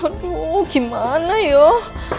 aduh gimana yuk